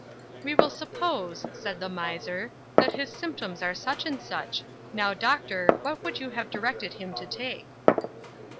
"'We will suppose,' said the miser, 'that his symptoms are such and such; now, doctor, what would you have directed him to take?